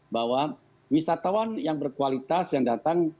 bahwa wisatawan yang berkualitas yang datang